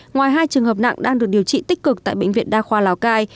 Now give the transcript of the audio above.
ngoài hai trường hợp nặng đang được điều trị tích cực tại bệnh viện đa khoa lào cai